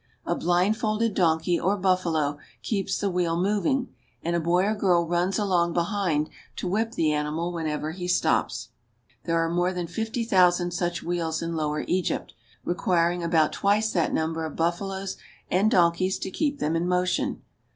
A blindfolded donkey or buffalo keeps the wheel moving, and a boy or girl runs along behind to whip the animal when ever he stops. There are more than fifty thousand such wheels in lower Egypt, requiring about twice that number of buffaloes and donkeys to keep them in motion.